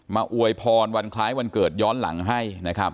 อวยพรวันคล้ายวันเกิดย้อนหลังให้นะครับ